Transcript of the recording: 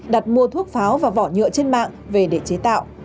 đặt mua thuốc pháo và vỏ nhựa trên mạng về để chế tạo